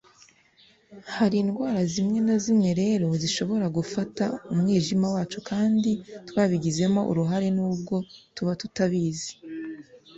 Hari indwara zimwe na zimwe rero zishobora gufata umwijima wacu kandi twabigizemo uruhare nubwo tuba tutabizi